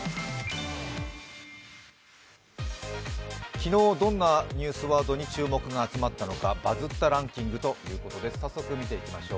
昨日、どんなニュースワードに注目が集まったのか「バズったワードランキング」を見ていきましょう。